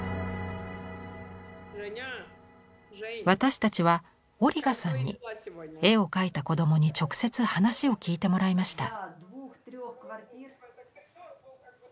私たちはオリガさんに絵を描いた子どもに直接話を聞いてもらいました。